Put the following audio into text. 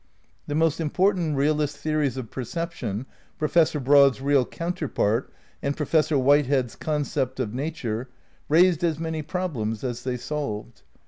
The most important realist theories of perception, Professor Broad's real counterpart and Professor Whitehead's concept of nature, raised as many prob lems as they solved.